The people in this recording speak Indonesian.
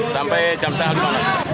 sampai jam tanggal gimana